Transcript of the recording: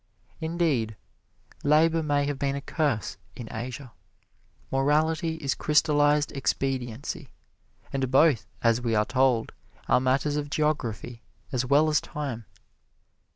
Indeed, labor may have been a curse in Asia. Morality is crystallized expediency, and both, as we are told, are matters of geography, as well as time.